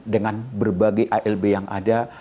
dengan berbagai alb yang ada